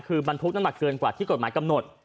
คือบรรทุกน้ำหนักเกินกว่าที่กฎหมายกำหนด